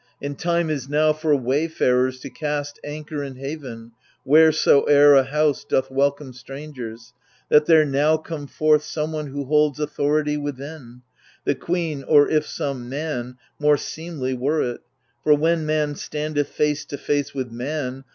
And time is now for wayfarers to cast Anchor in haven, wheresoe'er a house Doth welcome strangers) — that there now come forth Some one who holds authority within — The queen, or, if some man, more seemly were it ; For when man standeth face to face with man.